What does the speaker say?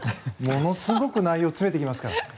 ものすごく内容、詰めてきますから。